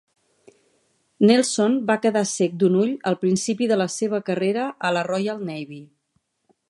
Nelson va quedar cec d'un ull al principi de la seva carrera a la Royal Navy.